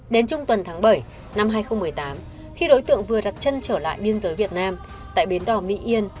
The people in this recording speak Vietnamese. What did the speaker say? đến trung tuần tháng bảy năm hai nghìn một mươi tám khi đối tượng vừa đặt chân trở lại biên giới việt nam tại bến đỏ mỹ yên